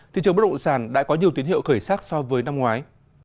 thị trường bất động sản đã có nhiều tiến hiệu khởi sắc so với năm ngoái